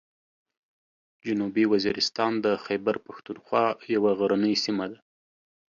جنوبي وزیرستان د خیبر پښتونخوا یوه غرنۍ سیمه ده.